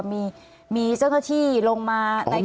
มีสลบที่ลงมา